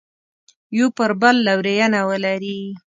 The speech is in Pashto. یو پر بل لورینه ولري.